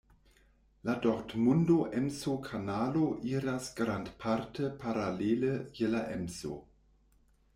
La Dortmundo-Emsokanalo iras grandparte paralele je la Emso.